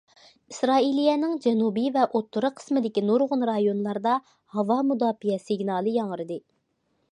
ئىسرائىلىيەنىڭ جەنۇبى ۋە ئوتتۇرا قىسىمدىكى نۇرغۇن رايونلاردا ھاۋا مۇداپىئە سىگنالى ياڭرىدى.